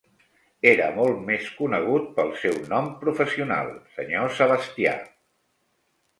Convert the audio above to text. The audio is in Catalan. Era molt més conegut pel seu nom professional, Sr. Sebastià.